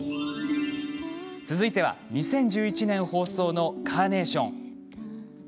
続いては、２０１１年放送の「カーネーション」。